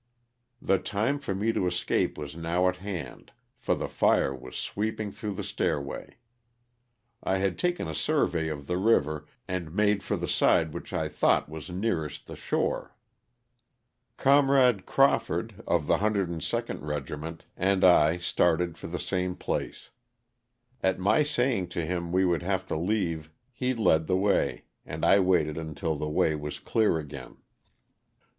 The time for me to escape was now at hand for the fire was sweeping through the stairway. I had taken a survey of the river and made for the side which I thought was nearest the shore. Comrade Crawford of the 102d Regiment, and I started for the same place. At my saying to him we would have to leave he led the way, and I waited until the way was clear again.